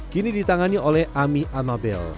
kini ditangani oleh ami amabel